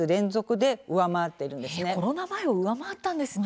へえコロナ前を上回ったんですね。